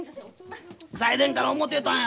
最前から思てたんや。